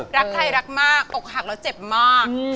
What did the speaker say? รักใครรักมากอกหักแล้วเจ็บมาก